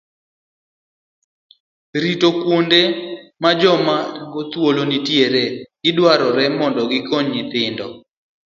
Ritokuondemajomaoringothuchegiodakieengimadwaroreahinyaegeng'oohalamarusonyithindo.